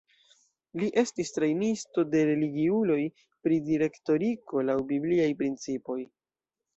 Li estis trejnisto de religiuloj pri direktoriko laŭ bibliaj principoj.